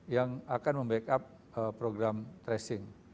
yang akan membackup program tracing